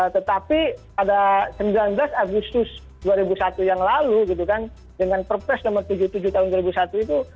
tetapi pada sembilan belas agustus dua ribu satu yang lalu gitu kan dengan perpres nomor tujuh puluh tujuh tahun dua ribu satu itu